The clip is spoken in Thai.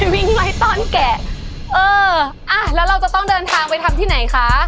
วิ่งไหมตอนแกะเอออ่ะแล้วเราจะต้องเดินทางไปทำที่ไหนคะ